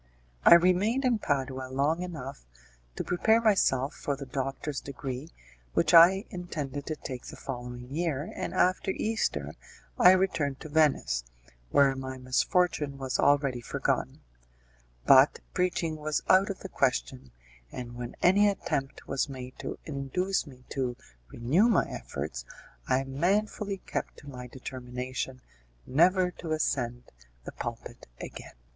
I remained in Padua long enough to prepare myself for the doctor's degree, which I intended to take the following year, and after Easter I returned to Venice, where my misfortune was already forgotten; but preaching was out of the question, and when any attempt was made to induce me to renew my efforts, I manfully kept to my determination never to ascend the pulpit again.